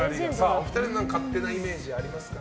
お二人の勝手なイメージありますか。